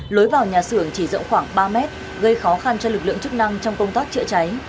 lối vào nhà xưởng chỉ rộng khoảng ba mét gây khó khăn cho lực lượng chức năng trong công tác chữa cháy